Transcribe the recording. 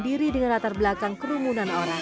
diri dengan latar belakang kerumunan orang